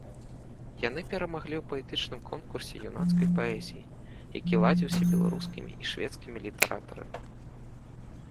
Яны перамаглі ў паэтычным конкурсе юнацкай паэзіі, які ладзіўся беларускімі і шведскімі літаратарамі.